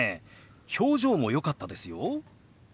表情もよかったですよ。